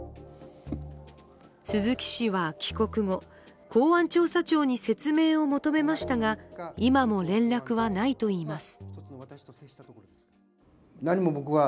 鈴木氏は帰国後、公安調査庁に説明を求めましたが今も連絡はないといいます。